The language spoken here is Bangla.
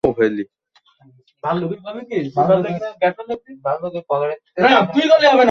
গতকাল পুরো বাড়িটাই পুড়ে যেতে পারতো।